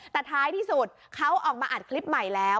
แต่ท้ายที่สุดเขาออกมาอัดคลิปใหม่แล้ว